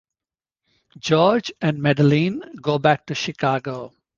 George and Madeleine go back to Chicago.